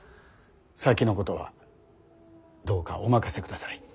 先のことはどうかお任せください。